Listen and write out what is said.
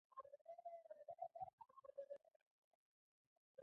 ګورګورې تورې دي جانانه علامې نورې دي جانانه.